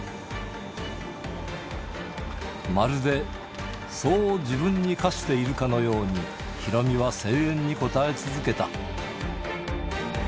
まるでそう自分に課しているかのようにヒロミは声援に応え続けた。